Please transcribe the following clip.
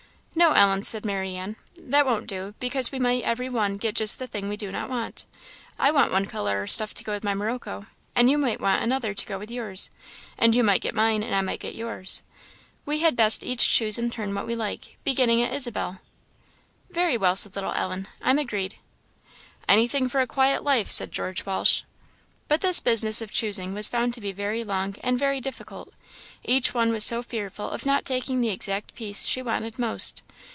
"No, Ellen," said Marianne, "that won't do, because we might every one get just the thing we do not want. I want one colour or stuff to go with my morocco, and you want another to go with yours; and you might get mine and I might get yours. We had best each choose in turn what we like, beginning at Isabel." "Very well," said little Ellen "I'm agreed." "Anything for a quiet life," said George Walsh. But this business of choosing was found to be very long and very difficult, each one was so fearful of not taking the exact piece she wanted most.